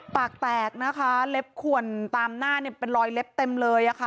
ปากแตกนะคะเล็บขวนตามหน้าเนี่ยเป็นรอยเล็บเต็มเลยค่ะ